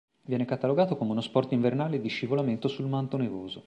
Viene catalogato come uno sport invernale di scivolamento sul manto nevoso.